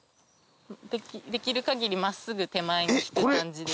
できる限り真っすぐ手前に引く感じで。